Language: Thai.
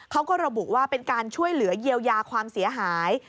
เขาก็ระบุว่าเป็นการช่วยเหลือเยียวยาความเสียหาย